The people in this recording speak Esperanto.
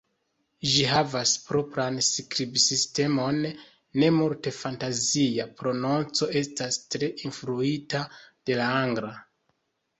Ĝi havas propran skribsistemon, ne multe fantazia, prononco estas tre influita de la angla.